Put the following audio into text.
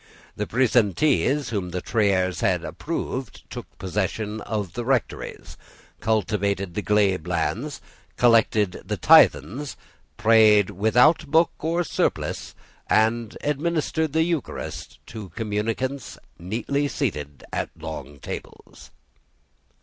The presentees whom the Triers had approved took possession of the rectories, cultivated the glebe lands, collected the tithes, prayed without book or surplice, and administered the Eucharist to communicants seated at long tables.